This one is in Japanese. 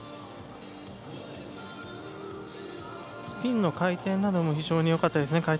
スピンの回転なども非常に良かったですね。